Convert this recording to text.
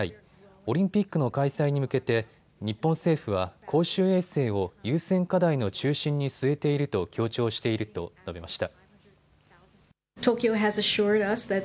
オリンピックの開催に向けて日本政府は公衆衛生を優先課題の中心に据えていると強調していると述べました。